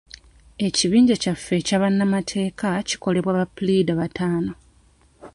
Ekibinja kyaffe ekya bannamateeka kikolebwa ba puliida bataano.